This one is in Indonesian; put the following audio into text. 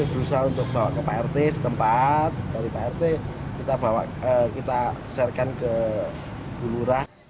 berusaha untuk bawa ke prt setempat dari prt kita sharekan ke bulurah